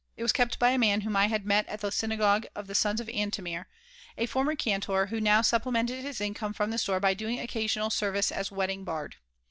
It was kept by a man whom I had met at the synagogue of the Sons of Antomir, a former cantor who now supplemented his income from the store by doing occasional service as a wedding bard.